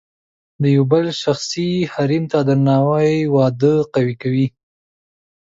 د یو بل شخصي حریم ته درناوی واده قوي کوي.